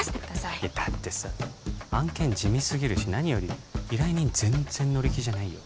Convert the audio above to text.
いやだってさ案件地味すぎるし何より依頼人全然乗り気じゃないよ